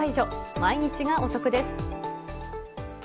毎日がお得です。